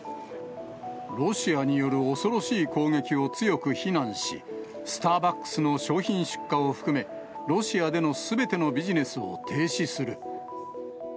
ロシアによる恐ろしい攻撃を強く非難し、スターバックスの商品出荷を含め、ロシアでのすべてのビジネスを停止する。